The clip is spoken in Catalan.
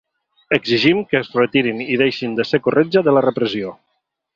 Exigim que es retirin i deixin de ser corretja de la repressió.